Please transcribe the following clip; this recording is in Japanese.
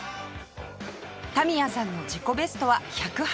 田宮さんの自己ベストは１８３キロ